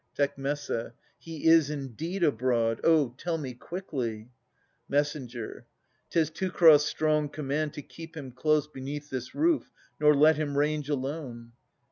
Tec. He is, indeed, abroad. Oh ! tell me quickly ! Mess. 'Tis Teucer's strong command to keep him close Beneath this roof, nor let him range alone.